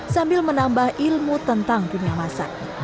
sambil menambah ilmu tentang dunia masak